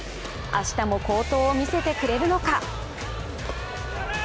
明日も好投を見せてくれるのか。